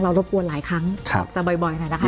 เรารบกวนหลายครั้งจะบ่อยนะคะ